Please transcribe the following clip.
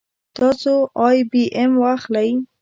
تاسو آی بي ایم اخلئ